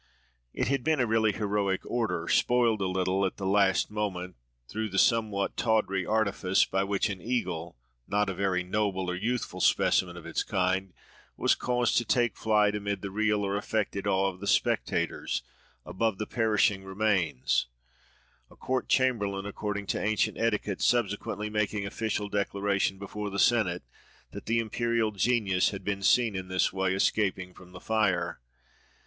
It had been a really heroic order, spoiled a little, at the last moment, through the somewhat tawdry artifice, by which an eagle—not a very noble or youthful specimen of its kind—was caused to take flight amid the real or affected awe of the spectators, above the perishing remains; a court chamberlain, according to ancient etiquette, subsequently making official declaration before the Senate, that the imperial "genius" had been seen in this way, escaping from the fire.